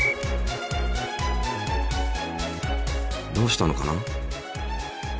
どうしたのかな？